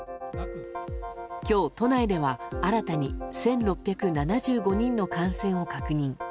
今日、都内では新たに１６７５人の感染を確認。